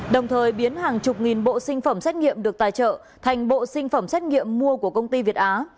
đồng thời biến hàng chục nghìn bộ sinh phẩm xét nghiệm được tài trợ thành bộ sinh phẩm xét nghiệm mua của công ty việt á